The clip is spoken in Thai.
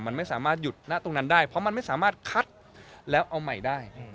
มันไม่สามารถหยุดณตรงนั้นได้เพราะมันไม่สามารถคัดแล้วเอาใหม่ได้